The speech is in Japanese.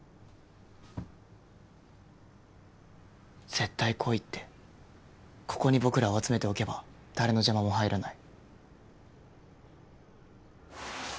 「絶対来い」ってここに僕らを集めておけば誰の邪魔も入らない。